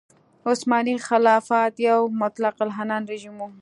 عثماني خلافت یو مطلق العنان رژیم و.